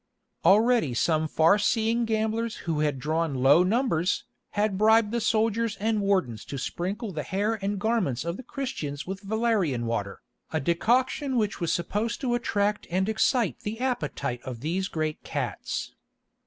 Already some far seeing gamblers who had drawn low numbers, had bribed the soldiers and wardens to sprinkle the hair and garments of the Christians with valerian water, a decoction which was supposed to attract and excite the appetite of these great cats.